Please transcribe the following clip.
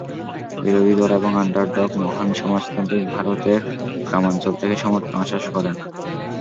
বিরোধী দল এবং আন্ডারডগ, মহান সমাজতান্ত্রিক, ভারতের গ্রামাঞ্চল থেকে সমর্থন আশা করেন।